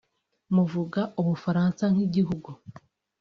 muvuga Ubufaransa nk’igihugu